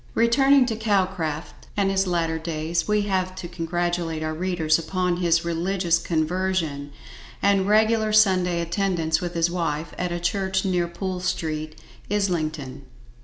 Returning to Calcraft and his latter days, we have to congratulate our readers upon his religious conversion, and regular Sunday attendance with his wife, at a church near Poole street, Islington.